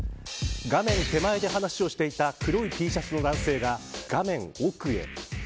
画面手前で話をしていた黒いＴシャツの男性が画面奥へ。